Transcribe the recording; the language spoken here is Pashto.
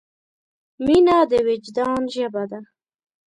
مینه د وجدان ژبه ده.